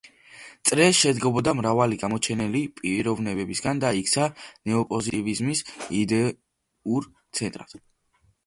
წრე შედგებოდა მრავალი გამოჩენილი პიროვნებისაგან და იქცა ნეოპოზიტივიზმის იდეურ ცენტრად.